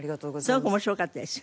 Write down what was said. すごく面白かったです。